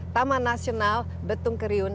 taman nasional betung kriun